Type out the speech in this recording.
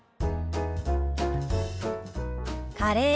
「カレー」。